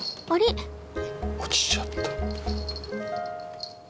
落ちちゃった。